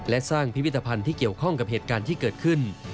และสร้างพิพิธภัณฑ์ที่เกี่ยวข้องกับเหตุการณ์ที่เกิดขึ้น